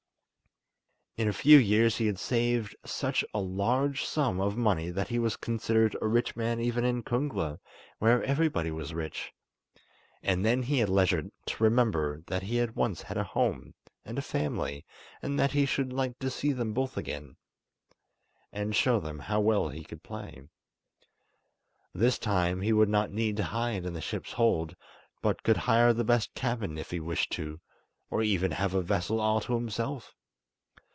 In a few years he had saved such a large sum of money that he was considered a rich man even in Kungla, where everybody was rich. And then he had leisure to remember that he had once had a home, and a family, and that he should like to see them both again, and show them how well he could play. This time he would not need to hide in the ship's hold, but could hire the best cabin if he wished to, or even have a vessel all to himself.